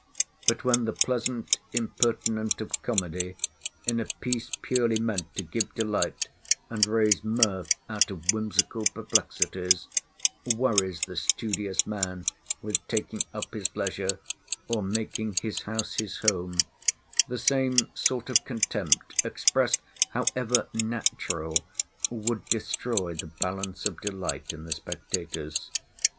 But when the pleasant impertinent of comedy, in a piece purely meant to give delight, and raise mirth out of whimsical perplexities, worries the studious man with taking up his leisure, or making his house his home, the same sort of contempt expressed (however natural) would destroy the balance of delight in the spectators.